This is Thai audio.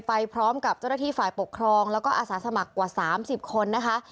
ไปพร้อมกับเจ้าหน้าที่ฝ่ายปกครองแล้วก็อาสาสมัครกว่า๓๐คนนะคะ